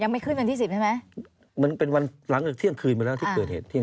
มันวันหลังจากเที่ยงคืนไปแล้วที่เกิดเห็น